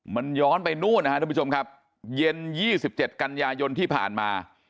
มันย้อนไปนู่นนะครับทุกผู้ชมครับเย็น๒๗กันยายนที่ผ่านมา